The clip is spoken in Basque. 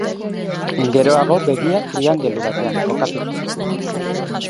Geroago begia triangelu batean kokatu zen.